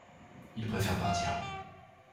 Il préfère partir.